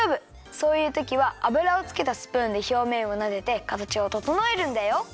そういうときは油をつけたスプーンでひょうめんをなでてかたちをととのえるんだよ。